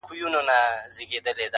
توجه یې له باوړیه شاوخوا وي -